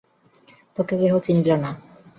তােকে কেহ চিনিল না।